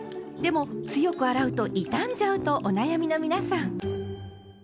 でも強く洗うと傷んじゃうとお悩みの皆さん。